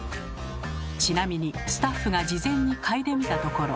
ちなみにスタッフが事前に嗅いでみたところ。